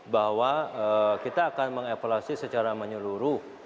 bahwa kita akan mengevaluasi secara menyeluruh